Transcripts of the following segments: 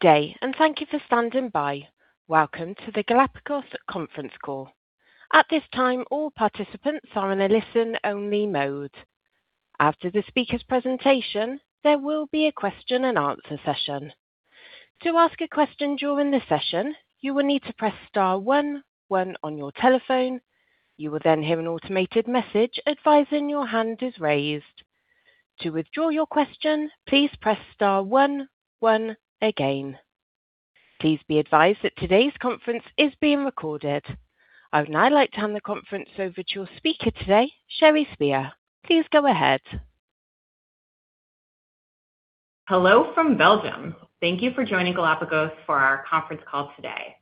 Good day, thank you for standing by. Welcome to the Galapagos conference call. At this time, all participants are in a listen-only mode. After the speaker's presentation, there will be a question and answer session. To ask a question during the session, you will need to press star one one on your telephone. You will then hear an automated message advising your hand is raised. To withdraw your question, please press star one one again. Please be advised that today's conference is being recorded. I would now like to hand the conference over to your speaker today, Sherri Spear. Please go ahead. Hello from Belgium. Thank you for joining Galapagos for our conference call today.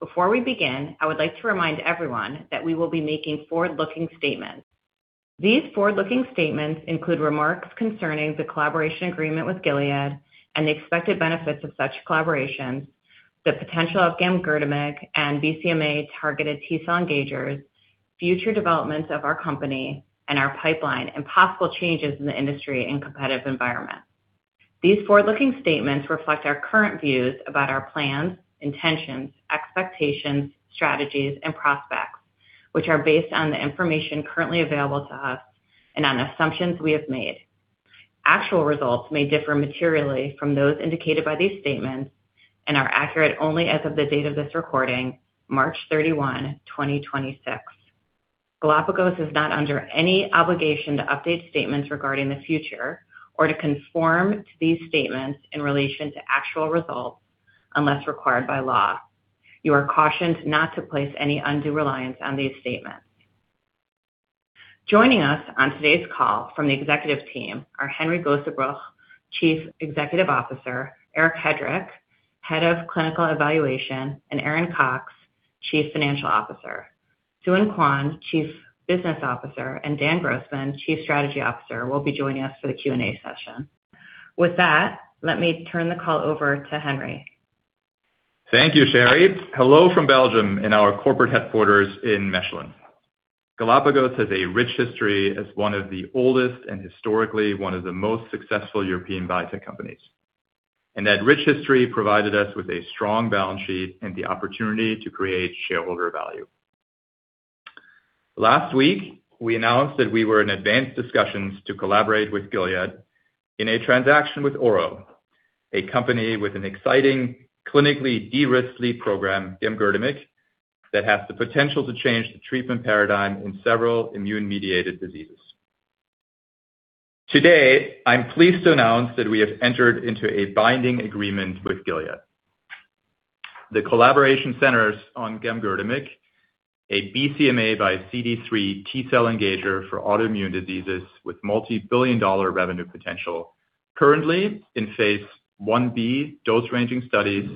Before we begin, I would like to remind everyone that we will be making forward-looking statements. These forward-looking statements include remarks concerning the collaboration agreement with Gilead and the expected benefits of such collaborations, the potential of Gamgertamig and BCMA-targeted T-cell engagers, future developments of our company and our pipeline, and possible changes in the industry and competitive environment. These forward-looking statements reflect our current views about our plans, intentions, expectations, strategies, and prospects, which are based on the information currently available to us and on assumptions we have made. Actual results may differ materially from those indicated by these statements and are accurate only as of the date of this recording, March 31, 2026. Galapagos is not under any obligation to update statements regarding the future or to conform to these statements in relation to actual results unless required by law. You are cautioned not to place any undue reliance on these statements. Joining us on today's call from the executive team are Henry Gosebruch, Chief Executive Officer, Eric Hedrick, Head of Clinical Evaluation, and Aaron Cox, Chief Financial Officer. Sooin Kwon, Chief Business Officer, and Dan Grossman, Chief Strategy Officer, will be joining us for the Q&A session. With that, let me turn the call over to Henry. Thank you, Sherri. Hello from Belgium in our corporate headquarters in Mechelen. Galapagos has a rich history as one of the oldest and historically one of the most successful European biotech companies. That rich history provided us with a strong balance sheet and the opportunity to create shareholder value. Last week, we announced that we were in advanced discussions to collaborate with Gilead in a transaction with Ouro, a company with an exciting clinically de-risked lead program, Gamgertamig, that has the potential to change the treatment paradigm in several immune-mediated diseases. Today, I'm pleased to announce that we have entered into a binding agreement with Gilead. The collaboration centers on Gamgertamig, a BCMA x CD3 T-cell engager for autoimmune diseases with multi-billion-dollar revenue potential currently in phase I-B dose-ranging studies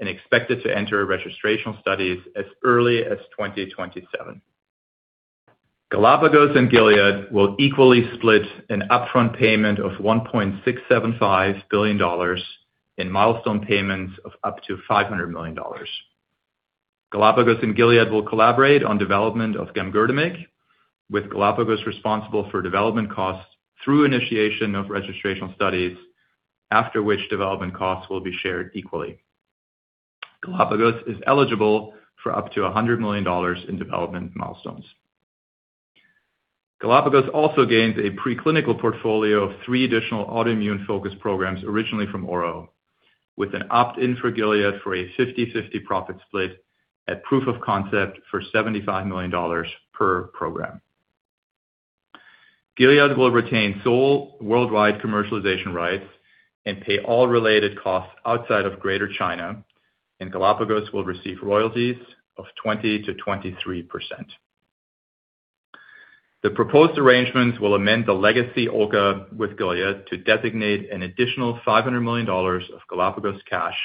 and expected to enter registrational studies as early as 2027. Galapagos and Gilead will equally split an upfront payment of $1.675 billion in milestone payments of up to $500 million. Galapagos and Gilead will collaborate on development of Gamgertamig, with Galapagos responsible for development costs through initiation of registrational studies, after which development costs will be shared equally. Galapagos is eligible for up to $100 million in development milestones. Galapagos also gains a preclinical portfolio of 3 additional autoimmune-focused programs originally from Ouro, with an opt-in for Gilead for a 50/50 profit split at proof of concept for $75 million per program. Gilead will retain sole worldwide commercialization rights and pay all related costs outside of Greater China, and Galapagos will receive royalties of 20%-23%. The proposed arrangements will amend the legacy OLCA with Gilead to designate an additional $500 million of Galapagos cash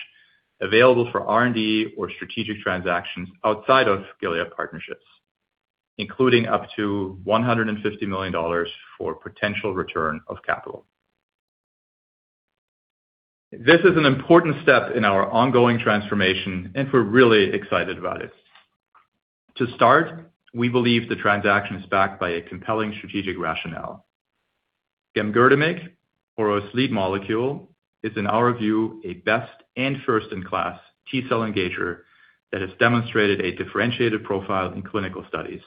available for R&D or strategic transactions outside of Gilead partnerships, including up to $150 million for potential return of capital. This is an important step in our ongoing transformation, and we're really excited about it. To start, we believe the transaction is backed by a compelling strategic rationale. Gamgertamig, Ouro's lead molecule, is in our view a best-in-class T-cell engager that has demonstrated a differentiated profile in clinical studies.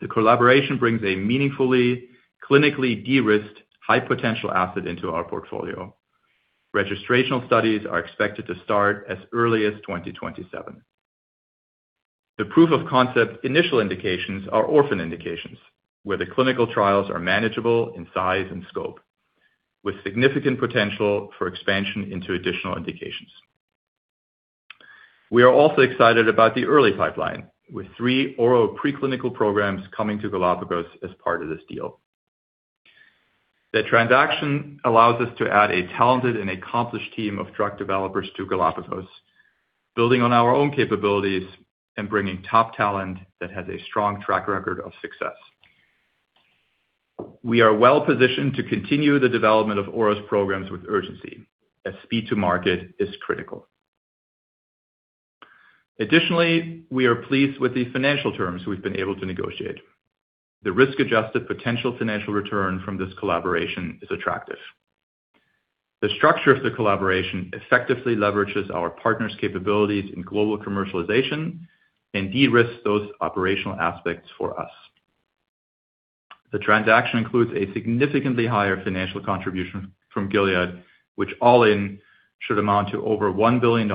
The collaboration brings a meaningfully clinically de-risked high-potential asset into our portfolio. Registrational studies are expected to start as early as 2027. The proof of concept initial indications are orphan indications, where the clinical trials are manageable in size and scope, with significant potential for expansion into additional indications. We are also excited about the early pipeline, with three Ouro preclinical programs coming to Galapagos as part of this deal. The transaction allows us to add a talented and accomplished team of drug developers to Galapagos, building on our own capabilities and bringing top talent that has a strong track record of success. We are well-positioned to continue the development of Ouro's programs with urgency, as speed to market is critical. Additionally, we are pleased with the financial terms we've been able to negotiate. The risk-adjusted potential financial return from this collaboration is attractive. The structure of the collaboration effectively leverages our partners' capabilities in global commercialization and de-risks those operational aspects for us. The transaction includes a significantly higher financial contribution from Gilead, which all in should amount to over $1 billion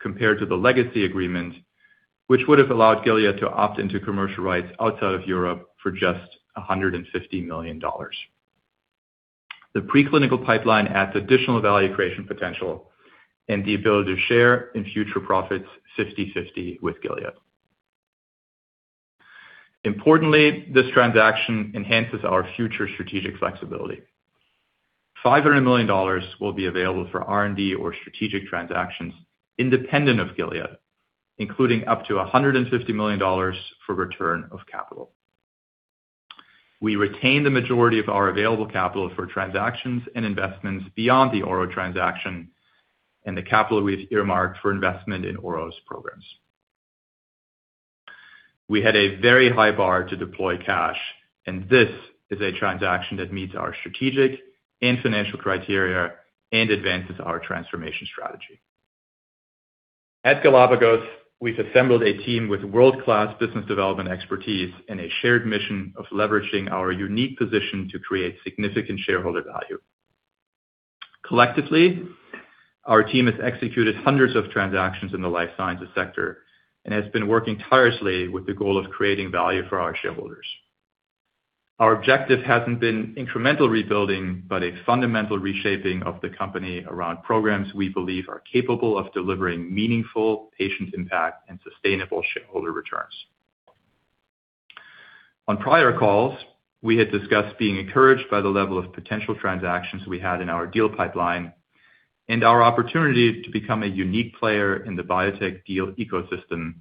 compared to the legacy agreement, which would have allowed Gilead to opt into commercial rights outside of Europe for just $150 million. The preclinical pipeline adds additional value creation potential and the ability to share in future profits 50/50 with Gilead. Importantly, this transaction enhances our future strategic flexibility. $500 million will be available for R&D or strategic transactions independent of Gilead, including up to $150 million for return of capital. We retain the majority of our available capital for transactions and investments beyond the Ouro transaction and the capital we've earmarked for investment in Ouro's programs. We had a very high bar to deploy cash, and this is a transaction that meets our strategic and financial criteria and advances our transformation strategy. At Galapagos, we've assembled a team with world-class business development expertise and a shared mission of leveraging our unique position to create significant shareholder value. Collectively, our team has executed hundreds of transactions in the life sciences sector and has been working tirelessly with the goal of creating value for our shareholders. Our objective hasn't been incremental rebuilding, but a fundamental reshaping of the company around programs we believe are capable of delivering meaningful patient impact and sustainable shareholder returns. On prior calls, we had discussed being encouraged by the level of potential transactions we had in our deal pipeline and our opportunity to become a unique player in the biotech deal ecosystem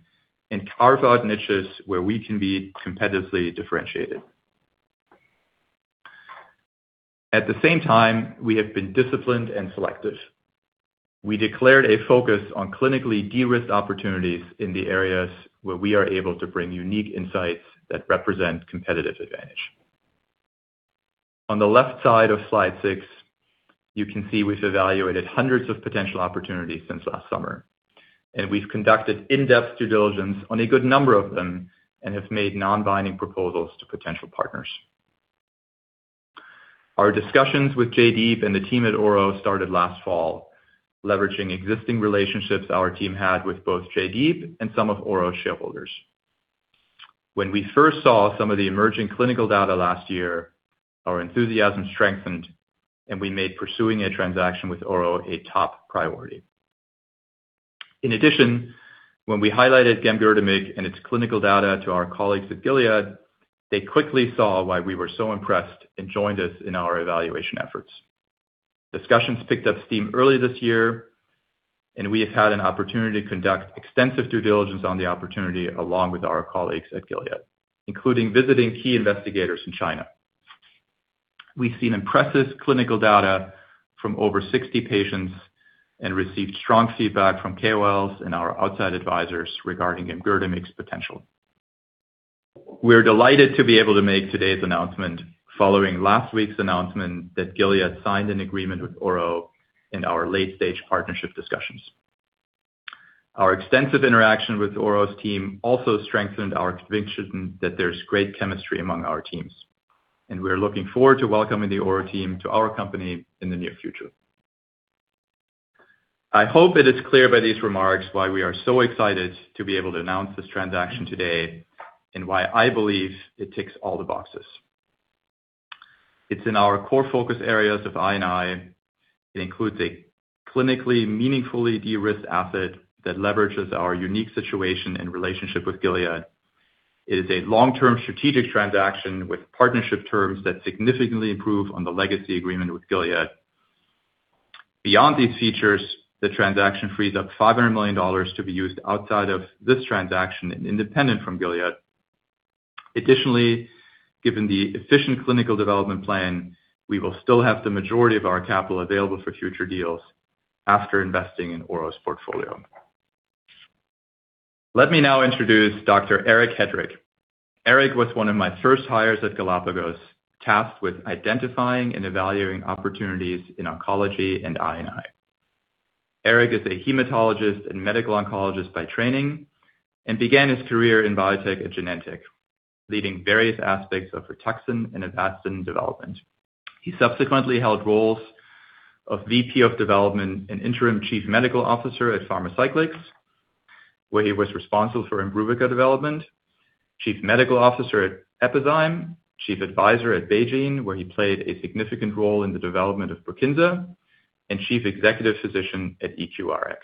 and carve out niches where we can be competitively differentiated. At the same time, we have been disciplined and selective. We declared a focus on clinically de-risked opportunities in the areas where we are able to bring unique insights that represent competitive advantage. On the left side of Slide six, you can see we've evaluated hundreds of potential opportunities since last summer, and we've conducted in-depth due diligence on a good number of them and have made non-binding proposals to potential partners. Our discussions with Jaydeep and the team at Ouro started last fall, leveraging existing relationships our team had with both Jaydeep and some of Ouro's shareholders. When we first saw some of the emerging clinical data last year, our enthusiasm strengthened, and we made pursuing a transaction with Ouro a top priority. In addition, when we highlighted Gamgertamig and its clinical data to our colleagues at Gilead, they quickly saw why we were so impressed and joined us in our evaluation efforts. Discussions picked up steam early this year, and we have had an opportunity to conduct extensive due diligence on the opportunity along with our colleagues at Gilead, including visiting key investigators in China. We've seen impressive clinical data from over 60 patients and received strong feedback from KOLs and our outside advisors regarding Gamgertamig's potential. We're delighted to be able to make today's announcement following last week's announcement that Gilead signed an agreement with Ouro in our late-stage partnership discussions. Our extensive interaction with Ouro's team also strengthened our conviction that there's great chemistry among our teams, and we are looking forward to welcoming the Ouro team to our company in the near future. I hope it is clear by these remarks why we are so excited to be able to announce this transaction today and why I believe it ticks all the boxes. It's in our core focus areas of I&I. It includes a clinically meaningfully de-risked asset that leverages our unique situation and relationship with Gilead. It is a long-term strategic transaction with partnership terms that significantly improve on the legacy agreement with Gilead. Beyond these features, the transaction frees up $500 million to be used outside of this transaction and independent from Gilead. Additionally, given the efficient clinical development plan, we will still have the majority of our capital available for future deals after investing in Ouro's portfolio. Let me now introduce Dr. Eric Hedrick. Eric was one of my first hires at Galapagos, tasked with identifying and evaluating opportunities in oncology and I&I. Eric is a hematologist and medical oncologist by training and began his career in biotech at Genentech, leading various aspects of Herceptin and Avastin development. He subsequently held roles of VP of Development and Interim Chief Medical Officer at Pharmacyclics, where he was responsible for IMBRUVICA development, Chief Medical Officer at Epizyme, Chief Advisor at BeiGene, where he played a significant role in the development of BRUKINSA and Chief Executive Physician at EQRx.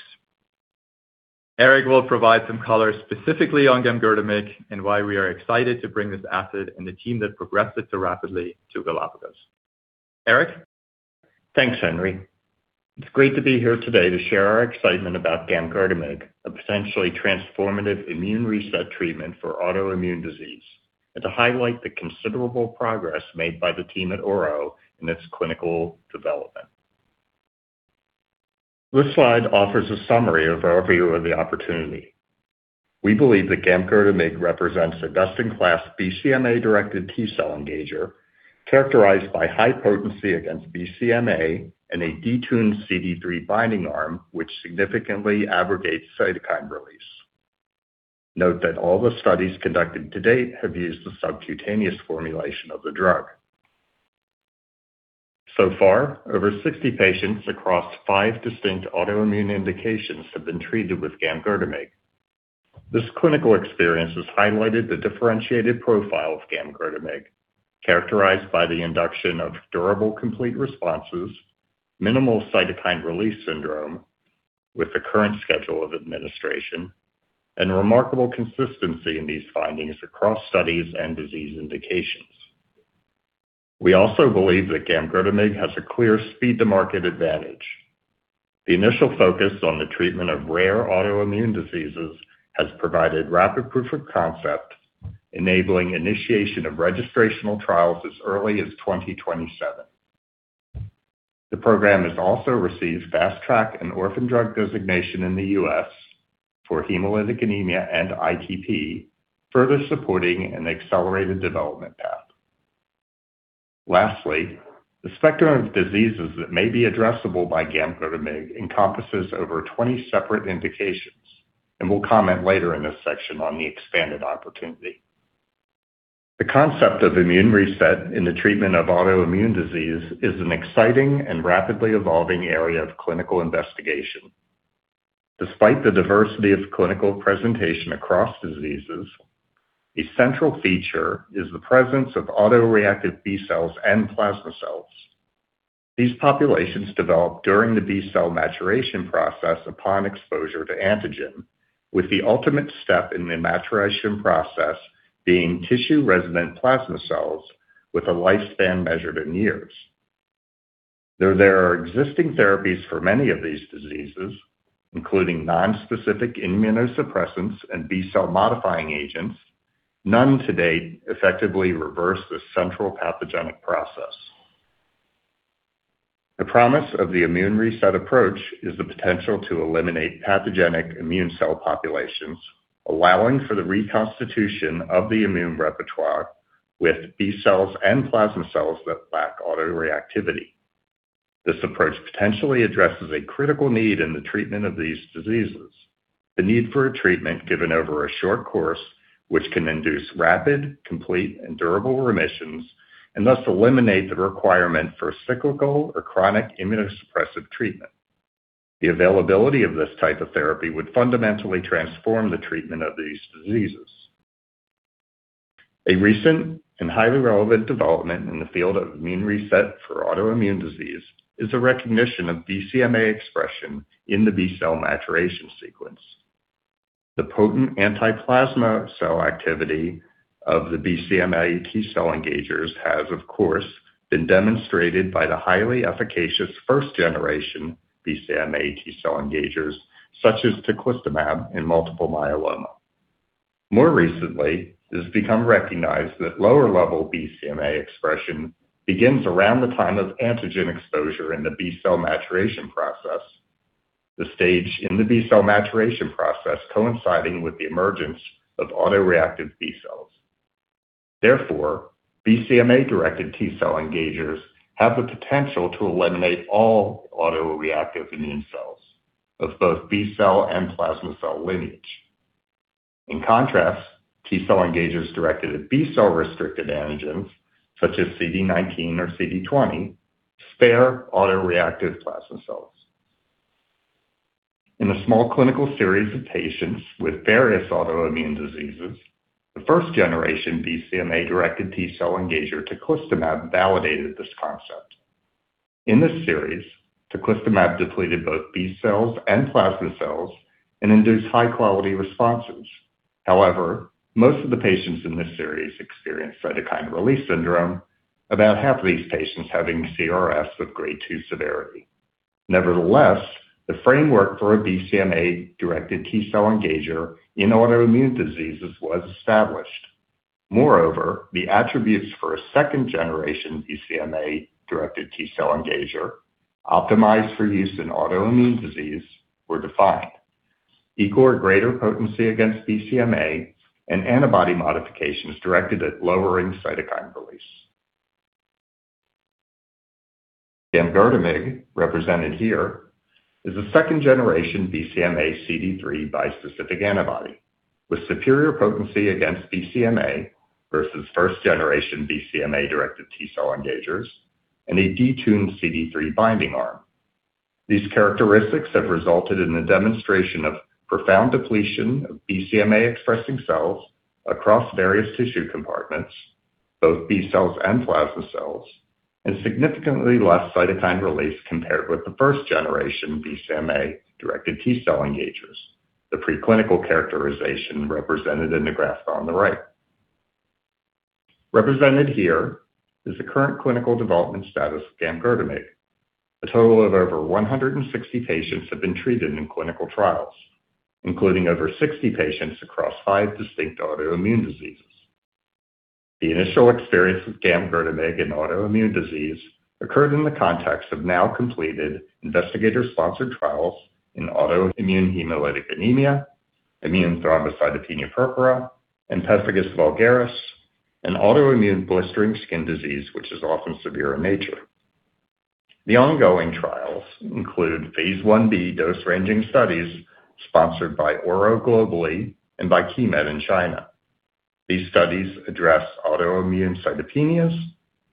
Eric will provide some color specifically on Gamgertamig and why we are excited to bring this asset and the team that progressed it so rapidly to Galapagos. Eric? Thanks, Henry. It's great to be here today to share our excitement about Gamgertamig, a potentially transformative immune reset treatment for autoimmune disease, and to highlight the considerable progress made by the team at Ouro in its clinical development. This slide offers a summary of our view of the opportunity. We believe that Gamgertamig represents a best-in-class BCMA-directed T-cell engager characterized by high potency against BCMA and a detuned CD3 binding arm, which significantly abrogates cytokine release. Note that all the studies conducted to date have used the subcutaneous formulation of the drug. So far, over 60 patients across five distinct autoimmune indications have been treated with Gamgertamig. This clinical experience has highlighted the differentiated profile of Gamgertamig, characterized by the induction of durable, complete responses, minimal cytokine release syndrome with the current schedule of administration, and remarkable consistency in these findings across studies and disease indications. We also believe that Gamgertamig has a clear speed to market advantage. The initial focus on the treatment of rare autoimmune diseases has provided rapid proof of concept, enabling initiation of registrational trials as early as 2027. The program has also received Fast Track and Orphan Drug Designation in the U.S. for hemolytic anemia and ITP, further supporting an accelerated development path. Lastly, the spectrum of diseases that may be addressable by Gamgertamig encompasses over 20 separate indications, and we'll comment later in this section on the expanded opportunity. The concept of immune reset in the treatment of autoimmune disease is an exciting and rapidly evolving area of clinical investigation. Despite the diversity of clinical presentation across diseases, a central feature is the presence of autoreactive B-cells and plasma cells. These populations develop during the B-cell maturation process upon exposure to antigen, with the ultimate step in the maturation process being tissue-resident plasma cells with a lifespan measured in years. Though there are existing therapies for many of these diseases, including nonspecific immunosuppressants and B-cell modifying agents, none to date effectively reverse this central pathogenic process. The promise of the immune reset approach is the potential to eliminate pathogenic immune cell populations, allowing for the reconstitution of the immune repertoire with B-cells and plasma cells that lack autoreactivity. This approach potentially addresses a critical need in the treatment of these diseases, the need for a treatment given over a short course, which can induce rapid, complete, and durable remissions, and thus eliminate the requirement for cyclical or chronic immunosuppressive treatment. The availability of this type of therapy would fundamentally transform the treatment of these diseases. A recent and highly relevant development in the field of immune reset for autoimmune disease is the recognition of BCMA expression in the B-cell maturation sequence. The potent anti-plasma cell activity of the BCMA T-cell engagers has, of course, been demonstrated by the highly efficacious first generation BCMA T-cell engagers, such as teclistamab in multiple myeloma. More recently, it has become recognized that lower level BCMA expression begins around the time of antigen exposure in the B-cell maturation process, the stage in the B-cell maturation process coinciding with the emergence of autoreactive B-cells. Therefore, BCMA-directed T-cell engagers have the potential to eliminate all autoreactive immune cells of both B-cell and plasma cell lineage. In contrast, T-cell engagers directed at B-cell restricted antigens such as CD19 or CD20 spare autoreactive plasma cells. In a small clinical series of patients with various autoimmune diseases, the first generation BCMA-directed T-cell engager teclistamab validated this concept. In this series, teclistamab depleted both B-cells and plasma cells and induced high-quality responses. However, most of the patients in this series experienced cytokine release syndrome, about half of these patients having CRS of grade two severity. Nevertheless, the framework for a BCMA-directed T-cell engager in autoimmune diseases was established. Moreover, the attributes for a second-generation BCMA-directed T-cell engager optimized for use in autoimmune disease were defined, equal or greater potency against BCMA and antibody modifications directed at lowering cytokine release. Gamgertamig, represented here, is a second generation BCMA CD3 bispecific antibody with superior potency against BCMA versus first generation BCMA-directed T-cell engagers and a detuned CD3 binding arm. These characteristics have resulted in the demonstration of profound depletion of BCMA-expressing cells across various tissue compartments, both B-cells and plasma cells, and significantly less cytokine release compared with the first generation BCMA-directed T-cell engagers. The preclinical characterization represented in the graph on the right represented here is the current clinical development status of Gamgertamig. A total of over 160 patients have been treated in clinical trials, including over 60 patients across five distinct autoimmune diseases. The initial experience with Gamgertamig in autoimmune disease occurred in the context of now completed investigator-sponsored trials in autoimmune hemolytic anemia, immune thrombocytopenic purpura, and pemphigus vulgaris, an autoimmune blistering skin disease which is often severe in nature. The ongoing trials include phase I-B dose-ranging studies sponsored by Ouro globally and by Keymed in China. These studies address autoimmune cytopenias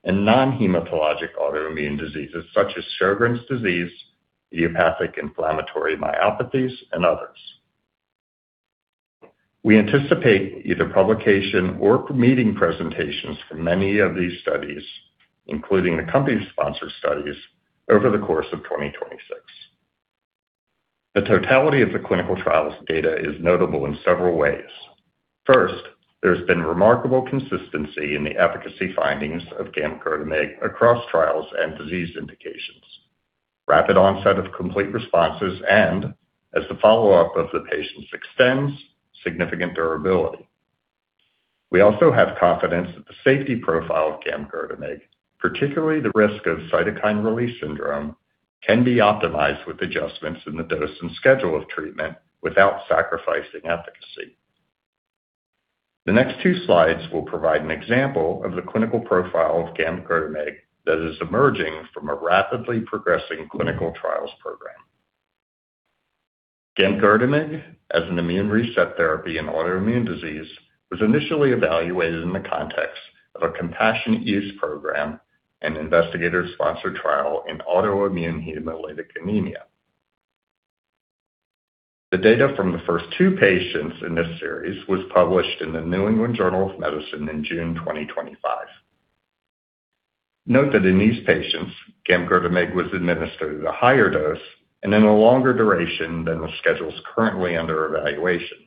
and non-hematologic autoimmune diseases such as Sjögren's disease, idiopathic inflammatory myopathies, and others. We anticipate either publication or meeting presentations for many of these studies, including the company's sponsored studies over the course of 2026. The totality of the clinical trials data is notable in several ways. First, there's been remarkable consistency in the efficacy findings of Gamgertamig across trials and disease indications, rapid onset of complete responses, and as the follow-up of the patients extends, significant durability. We also have confidence that the safety profile of Gamgertamig, particularly the risk of cytokine release syndrome, can be optimized with adjustments in the dose and schedule of treatment without sacrificing efficacy. The next two slides will provide an example of the clinical profile of Gamgertamig that is emerging from a rapidly progressing clinical trials program. Gamgertamig as an immune reset therapy in autoimmune disease was initially evaluated in the context of a compassion use program and investigator-sponsored trial in autoimmune hemolytic anemia. The data from the first two patients in this series was published in the New England Journal of Medicine in June 2025. Note that in these patients, Gamgertamig was administered at a higher dose and in a longer duration than the schedules currently under evaluation.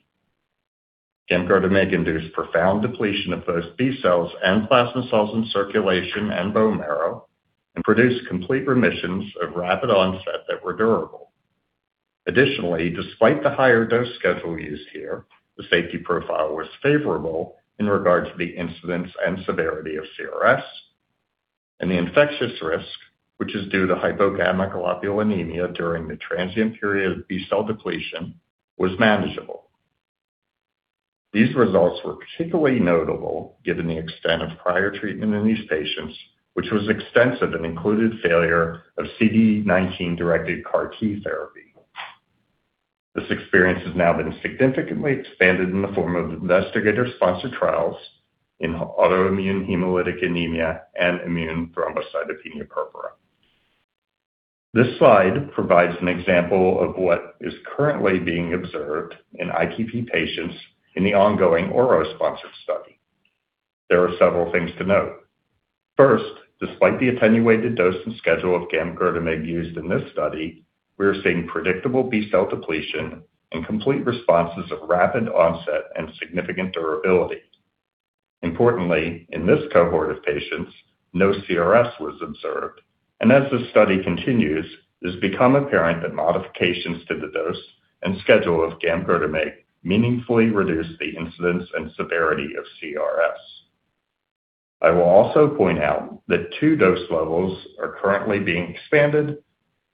Gamgertamig induced profound depletion of both B cells and plasma cells in circulation and bone marrow and produced complete remissions of rapid onset that were durable. Additionally, despite the higher dose schedule used here, the safety profile was favorable in regards to the incidence and severity of CRS, and the infectious risk, which is due to hypogammaglobulinemia during the transient period of B cell depletion, was manageable. These results were particularly notable given the extent of prior treatment in these patients, which was extensive and included failure of CD19-directed CAR T therapy. This experience has now been significantly expanded in the form of investigator-sponsored trials in autoimmune hemolytic anemia and immune thrombocytopenic purpura. This slide provides an example of what is currently being observed in ITP patients in the ongoing Ouro-sponsored study. There are several things to note. First, despite the attenuated dose and schedule of Gamgertamig used in this study, we are seeing predictable B cell depletion and complete responses of rapid onset and significant durability. Importantly, in this cohort of patients, no CRS was observed, and as the study continues, it has become apparent that modifications to the dose and schedule of Gamgertamig meaningfully reduce the incidence and severity of CRS. I will also point out that two dose levels are currently being expanded,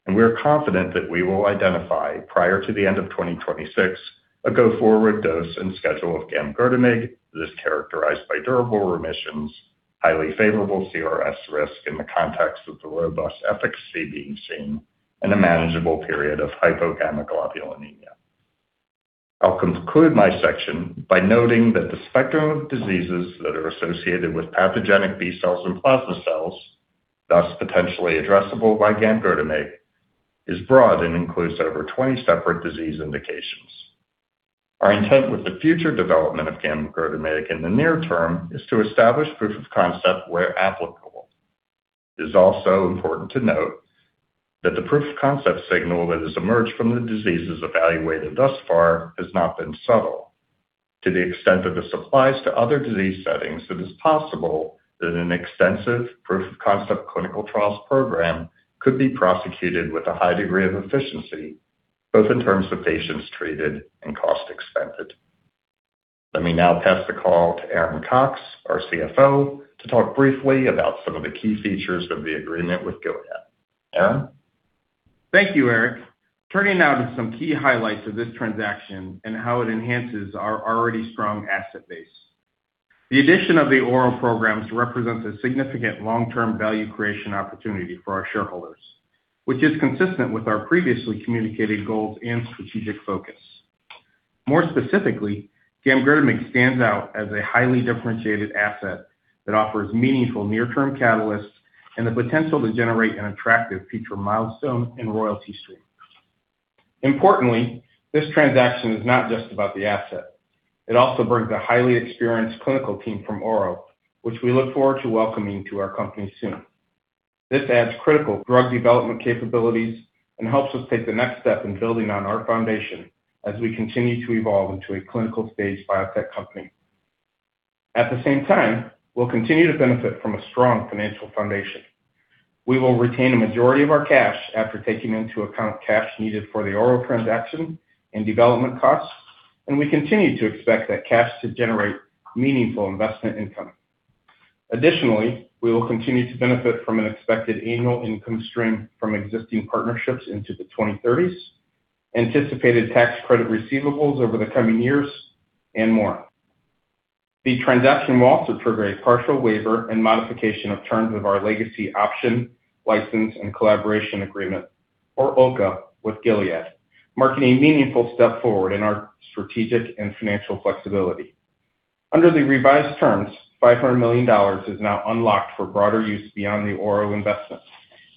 and we are confident that we will identify, prior to the end of 2026, a go-forward dose and schedule of Gamgertamig that is characterized by durable remissions, highly favorable CRS risk in the context of the robust efficacy being seen, and a manageable period of hypogammaglobulinemia. I'll conclude my section by noting that the spectrum of diseases that are associated with pathogenic B cells and plasma cells, thus potentially addressable by Gamgertamig, is broad and includes over 20 separate disease indications. Our intent with the future development of Gamgertamig in the near term is to establish proof of concept where applicable. It's also important to note that the proof of concept signal that has emerged from the diseases evaluated thus far has not been subtle. To the extent that this applies to other disease settings, it is possible that an extensive proof of concept clinical trials program could be prosecuted with a high degree of efficiency, both in terms of patients treated and cost expended. Let me now pass the call to Aaron Cox, our CFO, to talk briefly about some of the key features of the agreement with Gilead. Aaron? Thank you, Eric. Turning now to some key highlights of this transaction and how it enhances our already strong asset base. The addition of the Ouro programs represents a significant long-term value creation opportunity for our shareholders, which is consistent with our previously communicated goals and strategic focus. More specifically, Gamgertamig stands out as a highly differentiated asset that offers meaningful near-term catalysts and the potential to generate an attractive future milestone and royalty stream. Importantly, this transaction is not just about the asset. It also brings a highly experienced clinical team from Ouro, which we look forward to welcoming to our company soon. This adds critical drug development capabilities and helps us take the next step in building on our foundation as we continue to evolve into a clinical-stage biotech company. At the same time, we'll continue to benefit from a strong financial foundation. We will retain a majority of our cash after taking into account cash needed for the oral transaction and development costs, and we continue to expect that cash to generate meaningful investment income. Additionally, we will continue to benefit from an expected annual income stream from existing partnerships into the 2030s, anticipated tax credit receivables over the coming years and more. The transaction will also trigger a partial waiver and modification of terms of our legacy Option, License and Collaboration Agreement, or OLCA, with Gilead, marking a meaningful step forward in our strategic and financial flexibility. Under the revised terms, $500 million is now unlocked for broader use beyond the oral investment,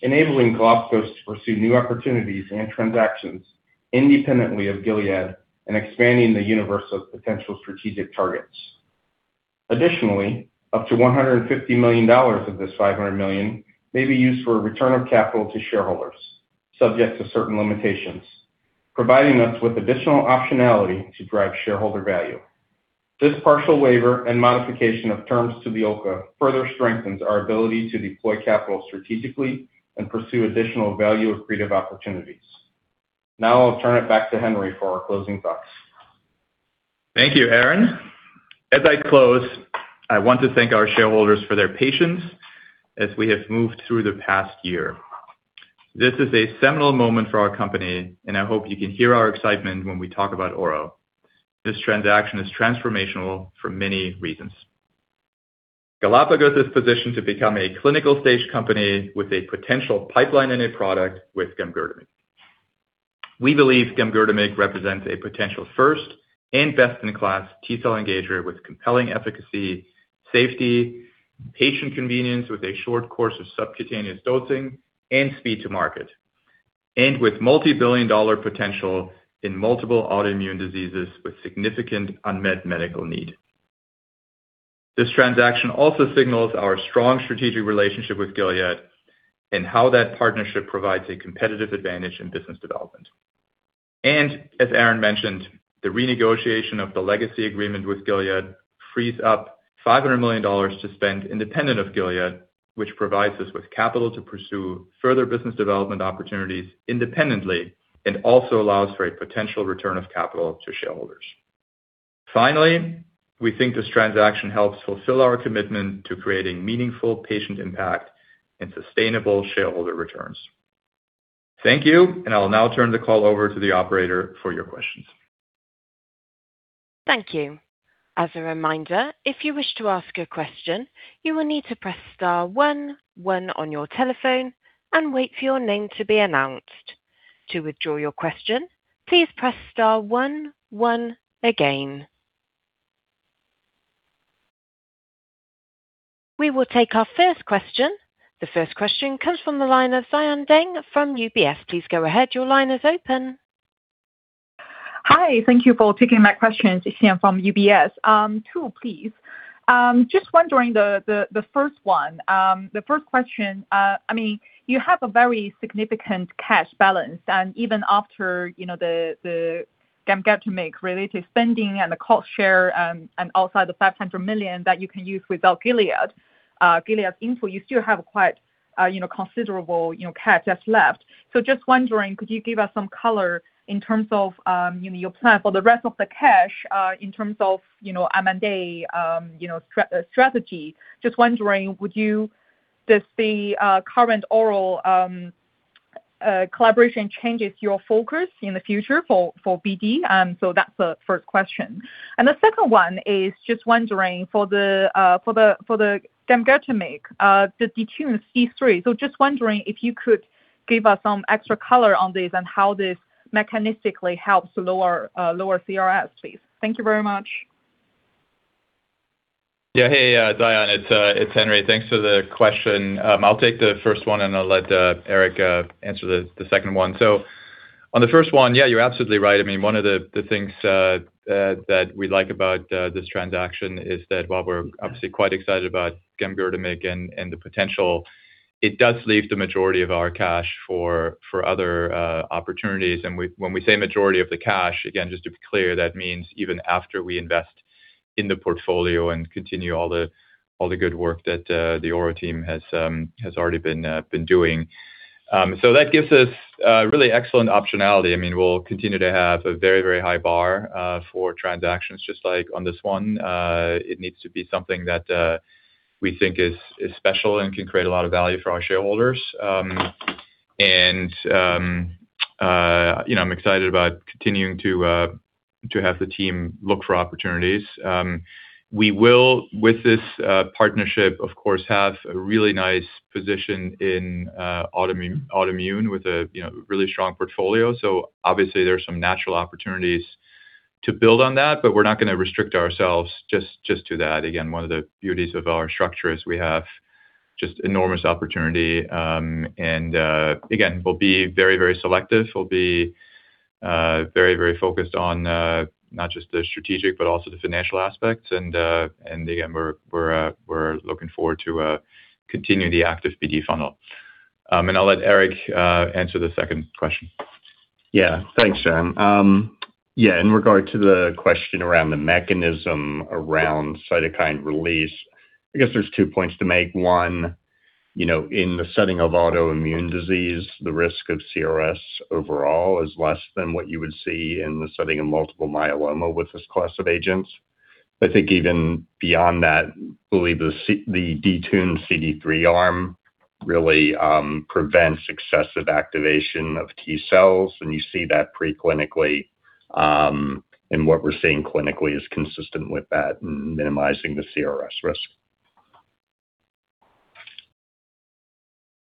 enabling Galapagos to pursue new opportunities and transactions independently of Gilead and expanding the universe of potential strategic targets. Additionally, up to $150 million of this $500 million may be used for a return of capital to shareholders, subject to certain limitations, providing us with additional optionality to drive shareholder value. This partial waiver and modification of terms to the OLCA further strengthens our ability to deploy capital strategically and pursue additional value accretive opportunities. Now I'll turn it back to Henry for our closing thoughts. Thank you, Aaron. As I close, I want to thank our shareholders for their patience as we have moved through the past year. This is a seminal moment for our company, and I hope you can hear our excitement when we talk about Ouro. This transaction is transformational for many reasons. Galapagos is positioned to become a clinical stage company with a potential pipeline and a product with Gamgertamig. We believe Gamgertamig represents a potential first and best-in-class T-cell engager with compelling efficacy, safety, patient convenience, with a short course of subcutaneous dosing and speed to market. With multi-billion-dollar potential in multiple autoimmune diseases with significant unmet medical need. This transaction also signals our strong strategic relationship with Gilead and how that partnership provides a competitive advantage in business development. As Aaron mentioned, the renegotiation of the legacy agreement with Gilead frees up $500 million to spend independent of Gilead, which provides us with capital to pursue further business development opportunities independently, and also allows for a potential return of capital to shareholders. Finally, we think this transaction helps fulfill our commitment to creating meaningful patient impact and sustainable shareholder returns. Thank you. I will now turn the call over to the operator for your questions. Thank you. As a reminder, if you wish to ask a question, you will need to press star one one on your telephone and wait for your name to be announced. To withdraw your question, please press star one one again. We will take our first question. The first question comes from the line of Xian Deng from UBS. Please go ahead. Your line is open. Hi. Thank you for taking my question. It's Xian Deng from UBS. Two please. Just wondering the first question. I mean, you have a very significant cash balance and even after, you know, the Gamgertamig-related spending and the cost share, and outside the $500 million that you can use without Gilead's input, you still have quite, you know, considerable, you know, cash that's left. So just wondering, could you give us some color in terms of, you know, your plan for the rest of the cash, in terms of, you know, M&A, you know, strategy. Just wondering, does the current Ouro collaboration changes your focus in the future for BD? So that's the first question. The second one is just wondering for the Gamgertamig, the detuned CD3. Just wondering if you could give us some extra color on this and how this mechanistically helps lower CRS, please. Thank you very much. Yeah. Hey, Xian. It's Henry. Thanks for the question. I'll take the first one, and I'll let Eric answer the second one. On the first one, yeah, you're absolutely right. I mean, one of the things that we like about this transaction is that while we're obviously quite excited about Gamgertamig and the potential, it does leave the majority of our cash for other opportunities. When we say majority of the cash, again, just to be clear, that means even after we invest in the portfolio and continue all the good work that the Ouro team has already been doing. That gives us really excellent optionality. I mean, we'll continue to have a very, very high bar for transactions just like on this one. It needs to be something that we think is special and can create a lot of value for our shareholders. You know, I'm excited about continuing to have the team look for opportunities. We will, with this partnership, of course, have a really nice position in autoimmune with a you know, really strong portfolio. Obviously there's some natural opportunities to build on that. We're not gonna restrict ourselves just to that. Again, one of the beauties of our structure is we have just enormous opportunity. Again, we'll be very, very selective. We'll be very, very focused on not just the strategic but also the financial aspects. Again, we're looking forward to continuing the active BD funnel. I'll let Eric answer the second question. Yeah. Thanks, Xian. Yeah, in regard to the question around the mechanism around cytokine release, I guess there's two points to make. One, you know, in the setting of autoimmune disease, the risk of CRS overall is less than what you would see in the setting of multiple myeloma with this class of agents. I think even beyond that, believe the detuned CD3 arm really prevents excessive activation of T cells, and you see that pre-clinically, and what we're seeing clinically is consistent with that in minimizing the CRS risk.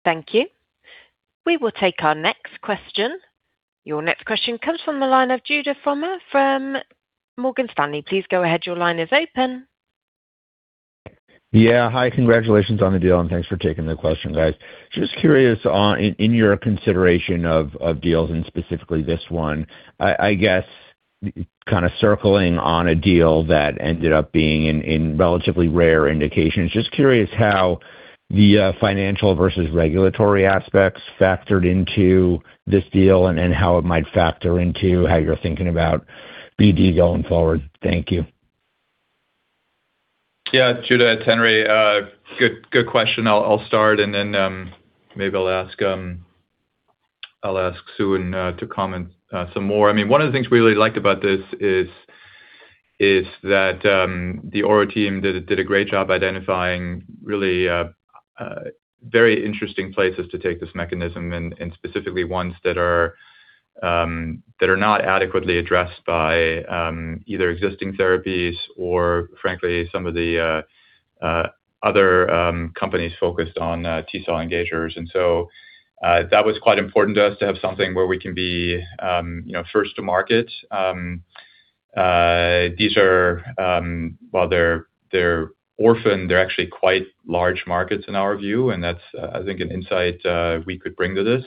Thank you. We will take our next question. Your next question comes from the line of Judah Frommer from Morgan Stanley. Please go ahead. Your line is open. Yeah. Hi. Congratulations on the deal, and thanks for taking the question, guys. Just curious, in your consideration of deals and specifically this one, I guess kind of circling on a deal that ended up being in relatively rare indications. Just curious how the financial versus regulatory aspects factored into this deal and how it might factor into how you're thinking about BD going forward. Thank you. Judah, it's Henry. Good question. I'll start and then maybe I'll ask Sooin to comment some more. I mean, one of the things we really liked about this is that the Ouro team did a great job identifying really very interesting places to take this mechanism and specifically ones that are not adequately addressed by either existing therapies or frankly some of the other companies focused on T-cell engagers. That was quite important to us to have something where we can be, you know, first to market. These are, while they're orphan, they're actually quite large markets in our view, and that's, I think an insight we could bring to this.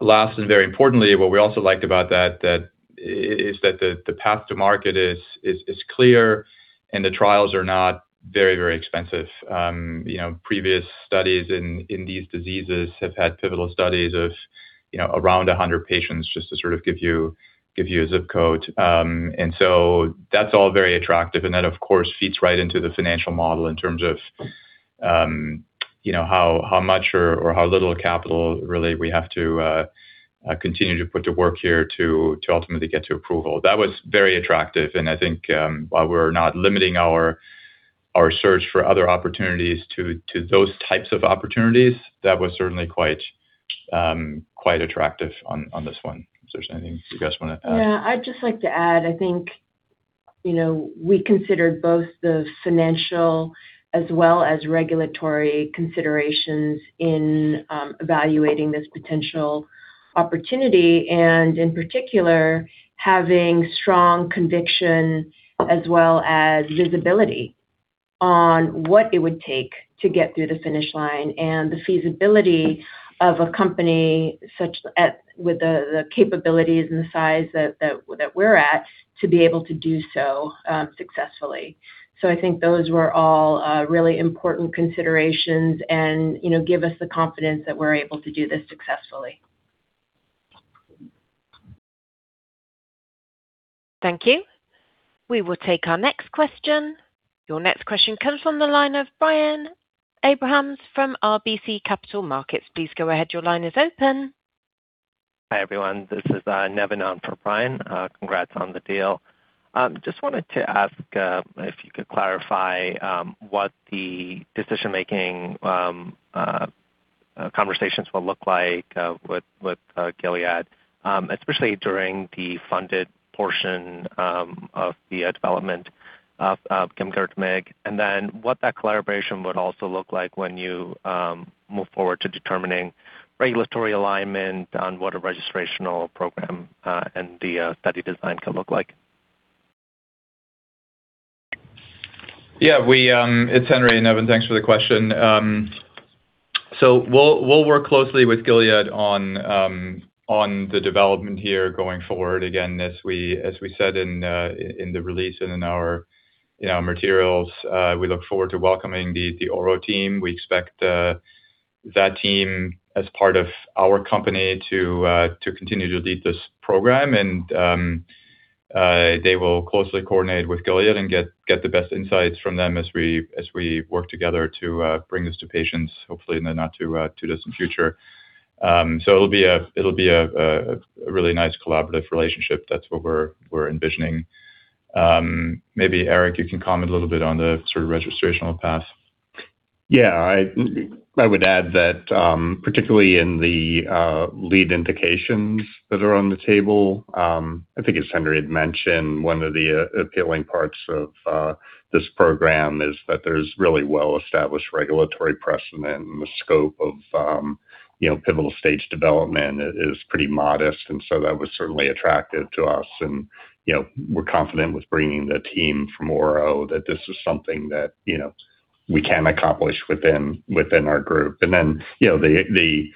Last and very importantly, what we also liked about that is that the path to market is clear and the trials are not very expensive. You know, previous studies in these diseases have had pivotal studies of, you know, around 100 patients just to sort of give you a zip code. That's all very attractive and that of course feeds right into the financial model in terms of, you know, how much or how little capital really we have to continue to put to work here to ultimately get to approval. That was very attractive and I think, while we're not limiting our search for other opportunities to those types of opportunities, that was certainly quite attractive on this one. Is there anything you guys wanna add? Yeah. I'd just like to add, I think, you know, we considered both the financial as well as regulatory considerations in evaluating this potential opportunity, and in particular, having strong conviction as well as visibility on what it would take to get through the finish line and the feasibility of a company such as with the capabilities and the size that we're at to be able to do so successfully. I think those were all really important considerations and, you know, give us the confidence that we're able to do this successfully. Thank you. We will take our next question. Your next question comes from the line of Brian Abrahams from RBC Capital Markets. Please go ahead. Your line is open. Hi, everyone. This is Nevin on for Brian. Congrats on the deal. Just wanted to ask if you could clarify what the decision-making conversations will look like with Gilead, especially during the funded portion of the development of Gamgertamig and then what that collaboration would also look like when you move forward to determining regulatory alignment on what a registrational program and the study design can look like. Yeah. It's Henry, Nevin. Thanks for the question. We'll work closely with Gilead on the development here going forward. Again, as we said in the release and in our materials, we look forward to welcoming the Ouro team. We expect that team as part of our company to continue to lead this program and they will closely coordinate with Gilead and get the best insights from them as we work together to bring this to patients hopefully in the not too distant future. It'll be a really nice collaborative relationship. That's what we're envisioning. Maybe Eric, you can comment a little bit on the sort of registrational path. Yeah. I would add that, particularly in the lead indications that are on the table, I think as Henry had mentioned, one of the appealing parts of this program is that there's really well-established regulatory precedent, and the scope of you know, pivotal stage development is pretty modest. That was certainly attractive to us. You know, we're confident with bringing the team from Ouro that this is something that you know, we can accomplish within our group. You know, the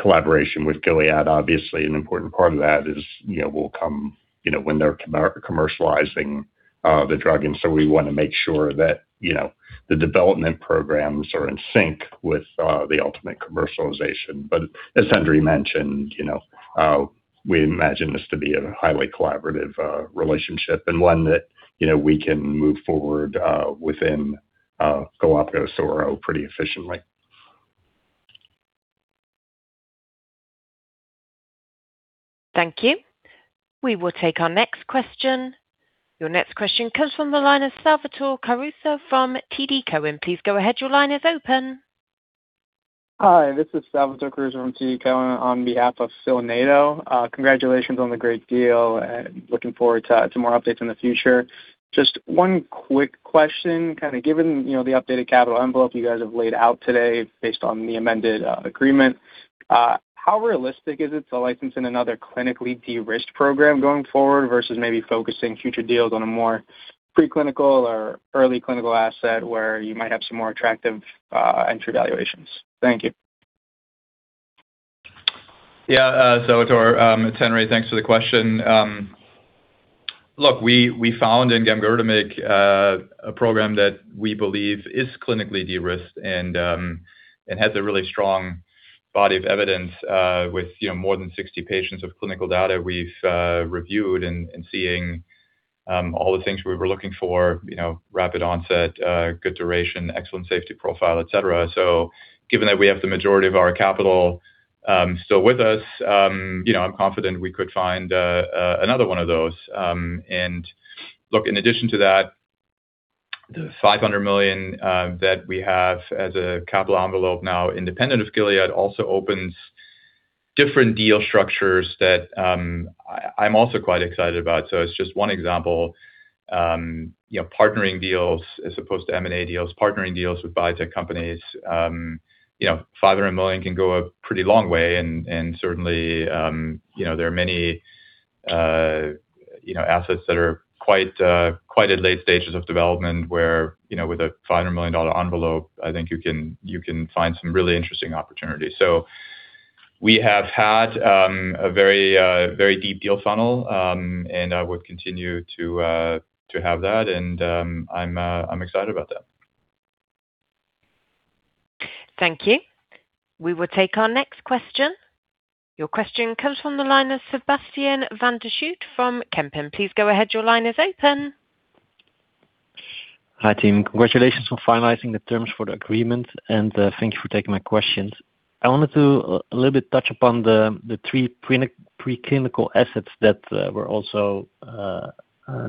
collaboration with Gilead, obviously an important part of that is you know, will come you know, when they're commercializing the drug, and so we want to make sure that you know, the development programs are in sync with the ultimate commercialization. As Henry mentioned, you know, we imagine this to be a highly collaborative relationship and one that, you know, we can move forward within Galapagos-Ouro pretty efficiently. Thank you. We will take our next question. Your next question comes from the line of Salvatore Caruso from TD Cowen. Please go ahead. Your line is open. Hi, this is Salvatore Caruso from TD Cowen on behalf of Phil Nadeau. Congratulations on the great deal and looking forward to more updates in the future. Just one quick question, kind of given, you know, the updated capital envelope you guys have laid out today based on the amended agreement, how realistic is it to license in another clinically de-risked program going forward versus maybe focusing future deals on a more pre-clinical or early clinical asset where you might have some more attractive entry valuations? Thank you. Salvatore, it's Henry. Thanks for the question. Look, we found in Gamgertamig a program that we believe is clinically de-risked and has a really strong body of evidence with, you know, more than 60 patients of clinical data we've reviewed and seeing all the things we were looking for, you know, rapid onset, good duration, excellent safety profile, etc. Given that we have the majority of our capital still with us, you know, I'm confident we could find another one of those. Look, in addition to that, the $500 million that we have as a capital envelope now independent of Gilead also opens different deal structures that I'm also quite excited about. It's just one example. You know, partnering deals as opposed to M&A deals, partnering deals with biotech companies. You know, $500 million can go a pretty long way. Certainly, you know, there are many, you know, assets that are quite at late stages of development where, you know, with a $500 million envelope, I think you can find some really interesting opportunities. We have had a very deep deal funnel, and I would continue to have that. I'm excited about that. Thank you. We will take our next question. Your question comes from the line of Sebastiaan van der Schoot from Kempen. Please go ahead. Your line is open. Hi, team. Congratulations on finalizing the terms for the agreement, and thank you for taking my questions. I wanted to a little bit touch upon the three preclinical assets that were also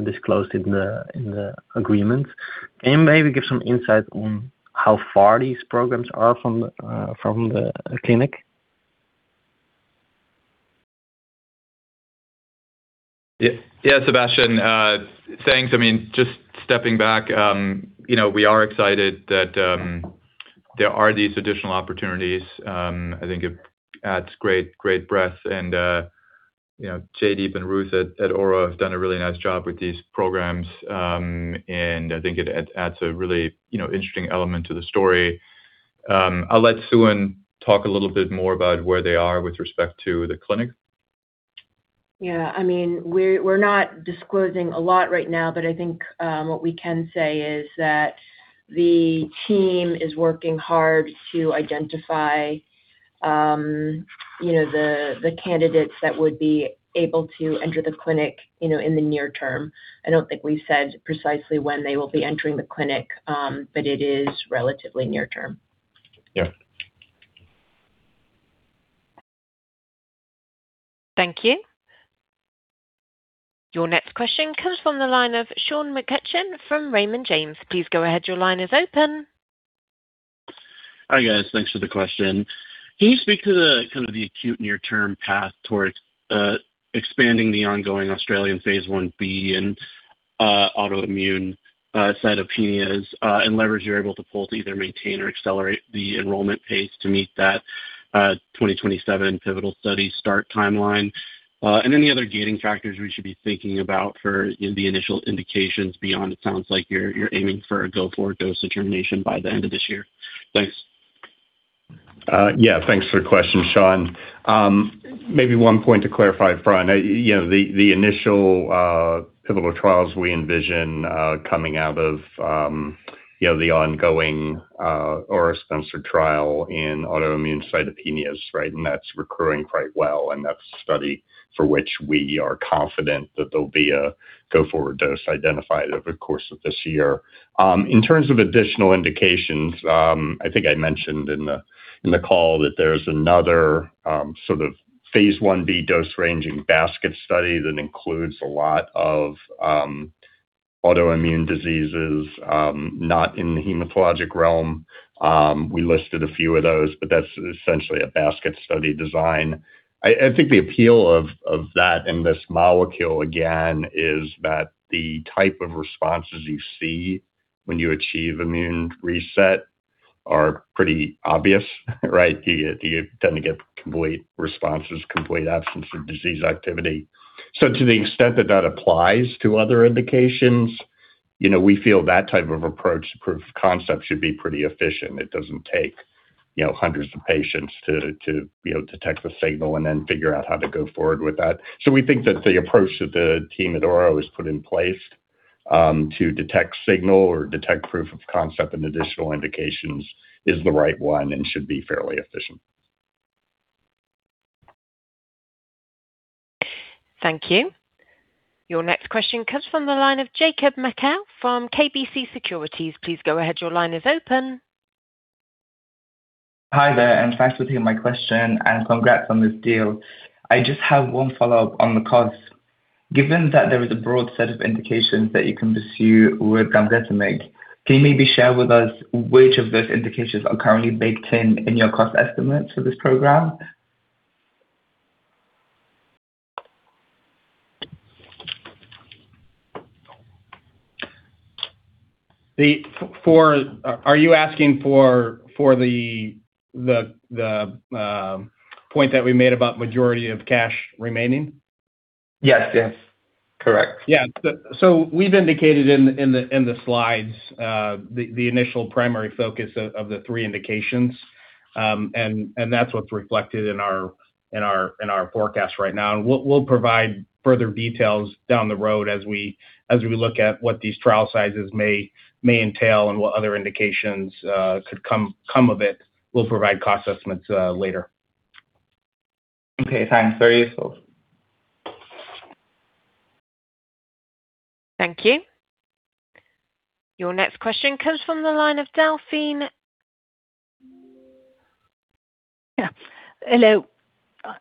disclosed in the agreement. Can you maybe give some insight on how far these programs are from the clinic? Yeah, Sebastiaan, thanks. I mean, just stepping back, you know, we are excited that there are these additional opportunities. I think it adds great breadth and, you know, Jaideep and Ruth at Ouro have done a really nice job with these programs. I think it adds a really, you know, interesting element to the story. I'll let Sooin talk a little bit more about where they are with respect to the clinic. Yeah. I mean, we're not disclosing a lot right now, but I think what we can say is that the team is working hard to identify you know, the candidates that would be able to enter the clinic you know, in the near term. I don't think we've said precisely when they will be entering the clinic, but it is relatively near term. Yeah. Thank you. Your next question comes from the line of Sean McCutcheon from Raymond James. Please go ahead. Your line is open. Hi, guys. Thanks for the question. Can you speak to the, kind of the acute near-term path towards, expanding the ongoing Australian phase I-B and, autoimmune cytopenias, and leverage you're able to pull to either maintain or accelerate the enrollment pace to meet that, 2027 pivotal study start timeline? Any other gating factors we should be thinking about for the initial indications beyond it sounds like you're aiming for a go-forward dose determination by the end of this year. Thanks. Yeah, thanks for the question, Sean. Maybe one point to clarify up front. You know, the initial pivotal trials we envision coming out of you know, the ongoing Aura-sponsored trial in autoimmune cytopenias, right? That's recruiting quite well, and that's a study for which we are confident that there'll be a go-forward dose identified over the course of this year. In terms of additional indications, I think I mentioned in the call that there's another sort of phase I-B dose ranging basket study that includes a lot of autoimmune diseases not in the hematologic realm. We listed a few of those, but that's essentially a basket study design. I think the appeal of that and this molecule, again, is that the type of responses you see when you achieve immune reset are pretty obvious, right? You tend to get complete responses, complete absence of disease activity. To the extent that that applies to other indications, you know, we feel that type of approach to proof of concept should be pretty efficient. It doesn't take, you know, hundreds of patients to you know, detect the signal and then figure out how to go forward with that. We think that the approach that the team at Ouro has put in place, to detect signal or detect proof of concept in additional indications is the right one and should be fairly efficient. Thank you. Your next question comes from the line of Jacob Mekhael from KBC Securities. Please go ahead. Your line is open. Hi there, and thanks for taking my question and congrats on this deal. I just have one follow-up on the costs. Given that there is a broad set of indications that you can pursue with Gamgertamig, can you maybe share with us which of those indications are currently baked in your cost estimates for this program? Are you asking for the point that we made about majority of cash remaining? Yes. Yes. Correct. Yeah. We've indicated in the slides the initial primary focus of the three indications. That's what's reflected in our forecast right now. We'll provide further details down the road as we look at what these trial sizes may entail and what other indications could come of it. We'll provide cost estimates later. Okay, thanks. Very useful. Thank you. Your next question comes from the line of Delphine. Hello.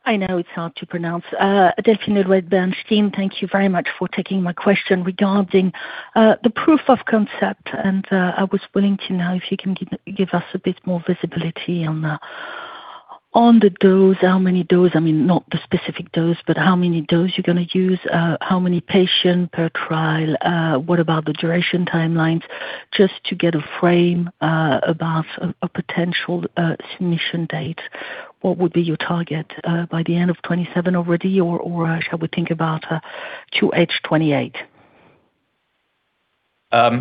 I know it's hard to pronounce. Delphine Le Louet, Bernstein. Thank you very much for taking my question regarding the proof of concept. I was willing to know if you can give us a bit more visibility on the dose, how many dose, I mean, not the specific dose, but how many dose you're gonna use. How many patient per trial. What about the duration timelines? Just to get a frame about a potential submission date. What would be your target by the end of 2027 already or shall we think about 2H 2028?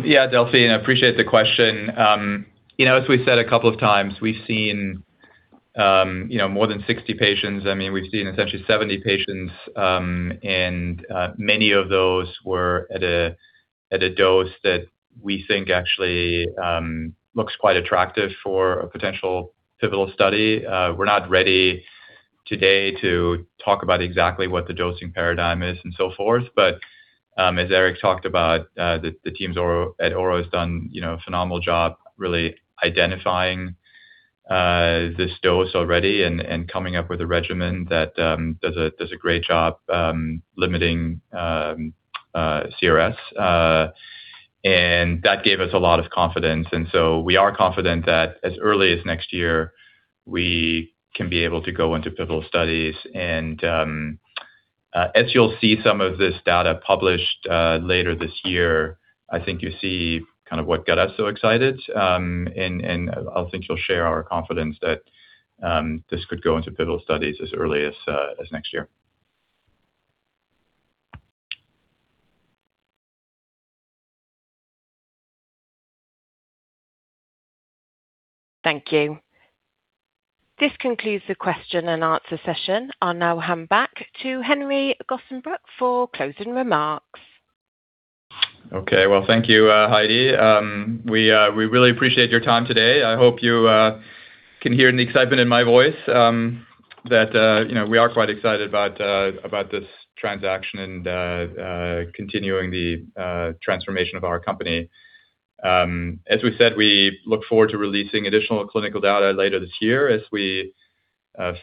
Yeah, Delphine, I appreciate the question. You know, as we've said a couple of times, we've seen you know, more than 60 patients. I mean, we've seen essentially 70 patients, and many of those were at a dose that we think actually looks quite attractive for a potential pivotal study. We're not ready today to talk about exactly what the dosing paradigm is and so forth. But as Eric talked about, the teams at Ouro has done you know, a phenomenal job really identifying this dose already and coming up with a regimen that does a great job limiting CRS, and that gave us a lot of confidence. We are confident that as early as next year, we can be able to go into pivotal studies and, as you'll see some of this data published later this year, I think you'll see kind of what got us so excited. I think you'll share our confidence that this could go into pivotal studies as early as next year. Thank you. This concludes the question and answer session. I'll now hand back to Henry Gosebruch for closing remarks. Okay. Well, thank you, Heidi. We really appreciate your time today. I hope you can hear the excitement in my voice that you know we are quite excited about this transaction and continuing the transformation of our company. As we said, we look forward to releasing additional clinical data later this year as we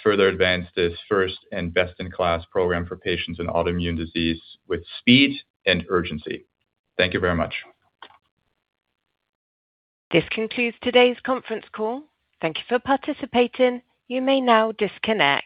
further advance this first and best-in-class program for patients in autoimmune disease with speed and urgency. Thank you very much. This concludes today's conference call. Thank you for participating. You may now disconnect.